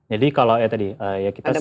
jadi kalau ya tadi ya kita start